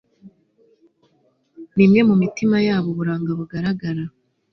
nimwe mumitima yabo uburanga bugaragara